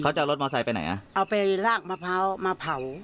เขาจะเอารถมอไซค์ไปไหนอ่ะเอาไปลากมะพร้าวมาเผา